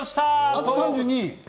あと３２。